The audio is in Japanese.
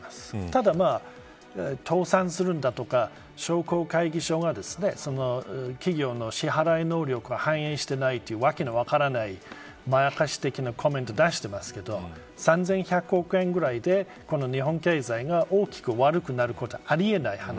ただ、倒産するとか商工会議所企業の支払い能力を反映していないという訳の分からないまやかし的なコメント出していますが３１００億円ぐらいで日本経済が大きく悪くなることはありえない話。